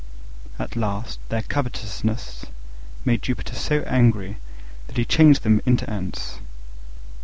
At last their covetousness made Jupiter so angry that he changed them into Ants.